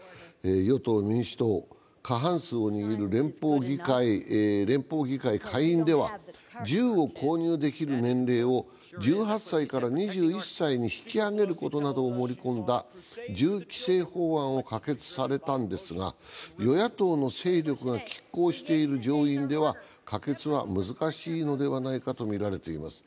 与党・民主党、過半数を握る連邦議会下院では銃を購入できる年齢を１８歳から２１歳に引き上げることなどを盛り込んだ銃規制法案を可決されたんですが、与野党の勢力がきっ抗している上院では可決は難しいのではないかとみられています。